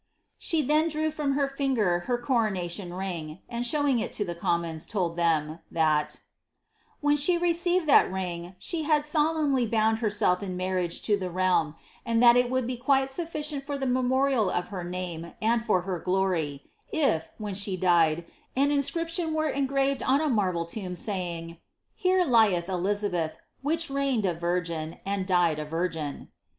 She then drew from her finger her coronation ring,* and, showing it to the commons, told ihem that —" When she received that ring, she had solemnly bound herself in marriage to the realnri ; and that it would be quite sufficient for the memorial of her name and for her glory, if, when she died, an inscription were engraved on a marble tomb, saying, * Here lieth Elizabeth, which reigned a virgin, and died a virgin.'"